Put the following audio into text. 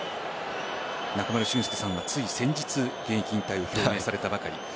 中村俊輔さんはつい先日現役引退を表明されたばかり。